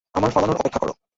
আমার ফালানোর অপেক্ষা করো!